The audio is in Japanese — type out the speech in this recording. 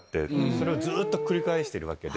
それをずっと繰り返してるわけで。